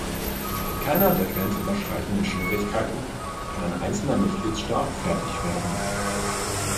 Mit keiner der grenzüberschreitenden Schwierigkeiten kann ein einzelner Mitgliedstaat fertig werden.